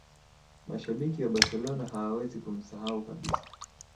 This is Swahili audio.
mashabiki wa barcelona hawawezi kumsahau kabisa